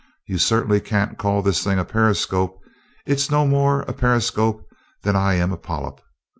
"You certainly can't call this thing a periscope it's no more a periscope than I am a polyp.